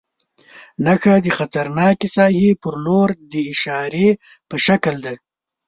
نښه د خطرناکې ساحې پر لور د اشارې په شکل ده.